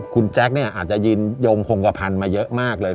คุณแจ๊คเนี่ยอาจจะยืนยมคงกระพันธ์มาเยอะมากเลย